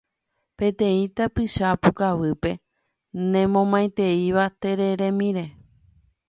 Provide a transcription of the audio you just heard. peteĩ tapicha pukavýpe nemomaiteíva tereremíre.